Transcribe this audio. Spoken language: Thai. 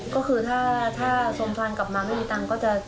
ก็คือถ้าสมฟันกลับมาไม่มีตังค์ก็จะ